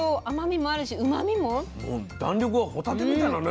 もう弾力はホタテみたいなね